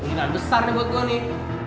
ingan besar buat gue nih